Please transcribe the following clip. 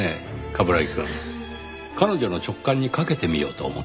冠城くん彼女の直感に賭けてみようと思っています。